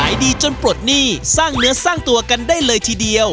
ขายดีจนปลดหนี้สร้างเนื้อสร้างตัวกันได้เลยทีเดียว